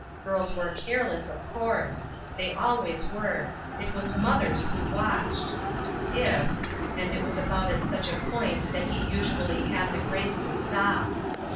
Girls were careless, of course ; they always were ; it was mothers who watched. "If —" And it was about at such a point that he usually had the grace to stop.